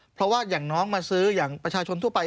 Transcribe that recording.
เพราะว่าอย่างน้องมาซื้ออย่างประชาชนทั่วไป